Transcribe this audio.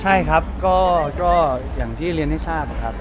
ใช่ครับก็อย่างที่เรียนให้ทราบครับ